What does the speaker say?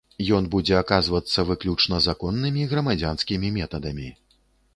Ён будзе аказвацца выключна законнымі грамадзянскімі метадамі.